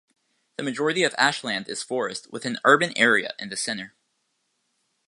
The majority of Ashland is forest, with an urban area in the center.